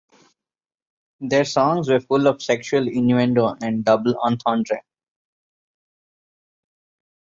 Their songs were full of sexual innuendo and double entendre.